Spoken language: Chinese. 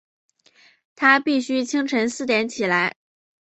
她必须清晨四点起来